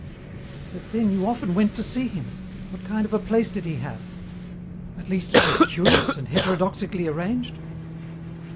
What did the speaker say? "But then you often went to see him. What kind of a place did he have? At least it was curious and heterodoxically arranged?"